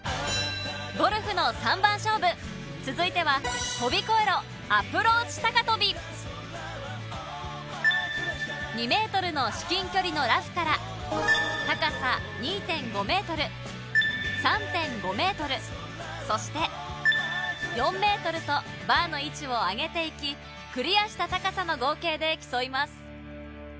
ゴルフの３番勝負続いては飛び越えろ２ｍの至近距離のラフから高さ２．５ｍ３．５ｍそして４ｍとバーの位置を上げて行きクリアした高さの合計で競います